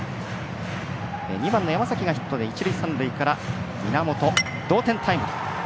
２番の山崎がヒットで一塁三塁から源、同点タイムリー。